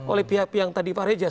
oleh pihak pihak yang tadi pareja